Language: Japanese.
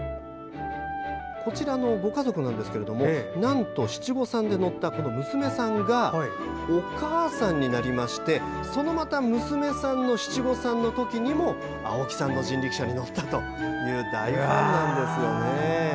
こちらのご家族なんですけどもなんと七五三で乗った娘さんがお母さんになりましてそのまた娘さんの七五三のときにも青木さんの人力車に乗ったという大ファンなんですよね。